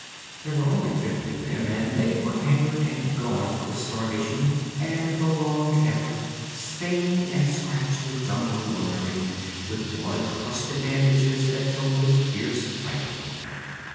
There were only fifty of them, and they were haggard and gaunt with starvation and prolonged effort, stained and scratched with jungle wandering, with blood crusted bandages that told of fierce fighting.